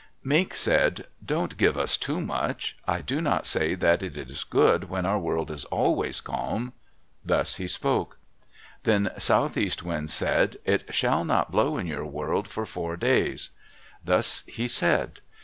Mink said, "Don't give us too much. I do not say that it is good when our world is always calm." Thus he spoke. Then Southeast Wind said, "It shall not blow in your world for four days." Thus he said.